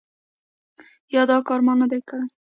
یا دا کار ما نه دی کړی ؟